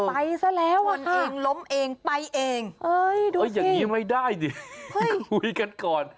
ไปซะแล้วค่ะเออดูสิอย่างนี้ไม่ได้ดิคุยกันก่อน